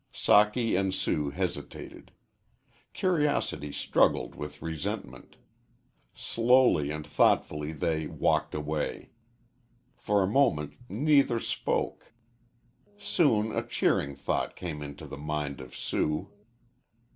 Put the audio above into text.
Socky and Sue hesitated. Curiosity struggled with resentment. Slowly and thoughtfully they walked away. For a moment neither spoke. Soon a cheering thought came into the mind of Sue.